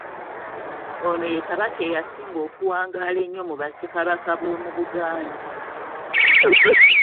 Ono ye Kabaka eyasinga okuwangaala ennyo mu Bassekabaka b'omu Buganda.